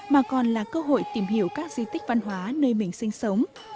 mà còn là cơ hội tìm hiểu các di tích văn hóa nơi mình sinh sống